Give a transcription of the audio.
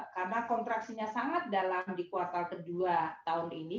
karena kontraksinya sangat dalam di kuartal ke dua tahun ini